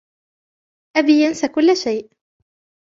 أبي ينسى كل شيء.